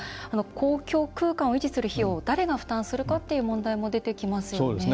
公共空間を維持する費用を誰が負担するかっていう問題も出てきますよね。